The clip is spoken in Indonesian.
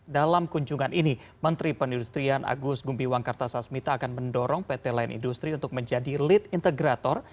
dalam kunjungan ini menteri pendustrian agus gumbiwang kartasasmita akan mendorong pt line industri untuk menjadi lead integrator